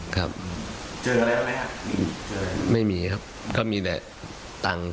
ครับเจออะไรบ้างไหมครับไม่มีครับก็มีแต่ตังค์